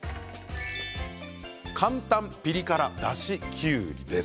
簡単ピリ辛だしきゅうりです。